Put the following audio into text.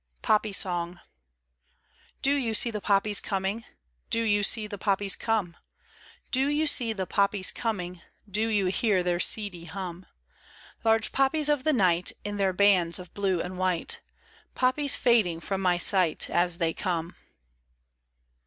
POPPY SONG. Do you see the poppies coming ? Do you see the poppies come ? Do you see the poppies coming, Do you hear their seedy hum ?— Large poppies of the night In their bands of blue and white, Poppies fading from my sight As they come.